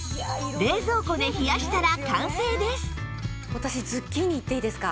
私ズッキーニいっていいですか？